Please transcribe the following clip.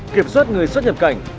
kiểm soát người xuất nhập cảnh